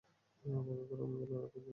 অপেক্ষা করো আমি বলার আগ পর্যন্ত।